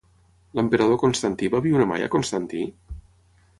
L'emperador Constantí va viure mai a Constantí?